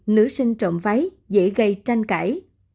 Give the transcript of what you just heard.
nữ sinh trộm váy dễ gây tranh cãi